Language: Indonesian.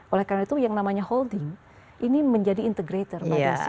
oleh karena itu yang namanya holding ini menjadi integrator